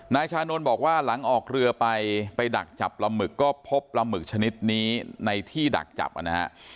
ชานนท์บอกว่าหลังออกเรือไปไปดักจับปลาหมึกก็พบปลาหมึกชนิดนี้ในที่ดักจับนะฮะ